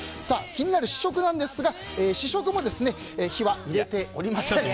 気になる試食なんですが試食も火は入れておりません。